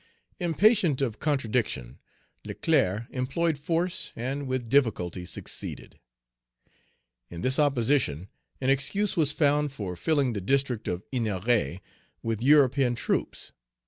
Impatient of contradiction, Leclerc employed force, and with difficulty succeeded. In this opposition an excuse was found for filling the district of Ennery with European troops.